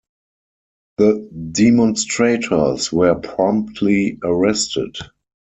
The demonstrators were promptly arrested.